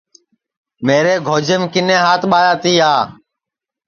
میرے گوجیم کِنے ہات ٻایا تیا